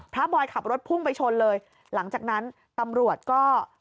บอยขับรถพุ่งไปชนเลยหลังจากนั้นตำรวจก็